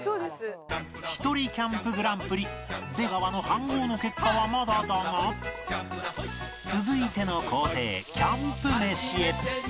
ひとりキャンプグランプリ出川の飯ごうの結果はまだだが続いての工程キャンプ飯へ